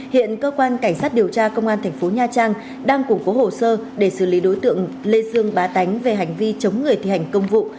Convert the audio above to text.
hiện cơ quan cảnh sát điều tra công an thành phố nha trang đang củng cố hồ sơ để xử lý đối tượng lê dương bá tánh về hành vi chống người thi hành công vụ